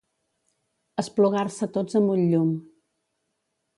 Esplugar-se tots amb un llum.